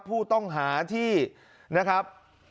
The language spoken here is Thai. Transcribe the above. ผู้ต้องหาที่นะครับ